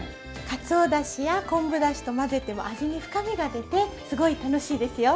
かつおだしや昆布だしと混ぜても味に深みが出てすごい楽しいですよ。